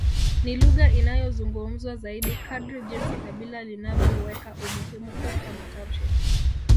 Ni lugha inayozungumzwa zaidi kadri jinsi kabila linavyoweka umuhimu katika matamshi